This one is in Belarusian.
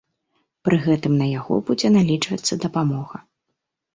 Пры гэтым на яго будзе налічвацца дапамога.